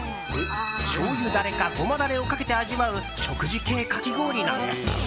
しょうゆダレかゴマダレをかけて味わう食事系かき氷なんです。